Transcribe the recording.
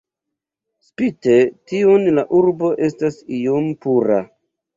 Spite tion la urbo estas iom pura.